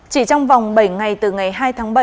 chỉ trong vòng bảy ngày từ ngày hai tháng bảy